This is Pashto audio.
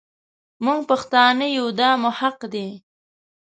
مونږ پښتانه يو دا مو حق دی.